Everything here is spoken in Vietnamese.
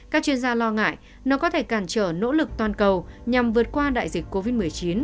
các chuyên gia lo ngại nó có thể cản trở nỗ lực toàn cầu nhằm vượt qua đại dịch covid một mươi chín